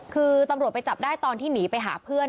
คือตำรวจไปจับได้ตอนที่หนีไปหาเพื่อน